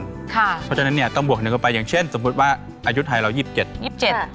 เพราะฉะนั้นเนี่ยต้องบวกหนึ่งเข้าไปอย่างเช่นสมมุติว่าอายุไทยเรายี่สิบเจ็ดยี่สิบเจ็ด